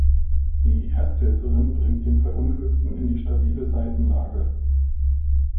Die Ersthelferin bringt den Verunglückten in die stabile Seitenlage.